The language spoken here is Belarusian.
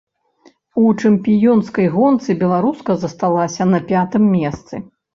У чэмпіёнскай гонцы беларуска засталася на пятым месцы.